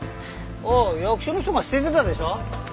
ああ役所の人が捨ててたでしょ？